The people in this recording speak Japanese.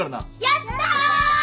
やった！